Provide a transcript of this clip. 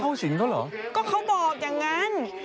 เข้าสิงหรอก็เขาบอกอย่างนั้น